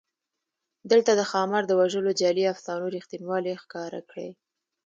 دلته د ښامار د وژلو جعلي افسانو رښتینوالی ښکاره کړی.